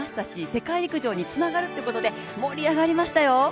世界陸上につながるってことで盛り上がりましたよ。